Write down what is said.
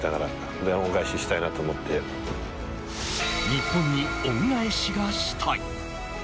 日本に恩返しがしたい。